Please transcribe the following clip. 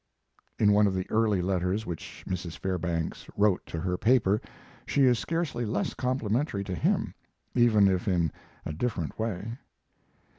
In one of the early letters which Mrs. Fairbanks wrote to her paper she is scarcely less complimentary to him, even if in a different way.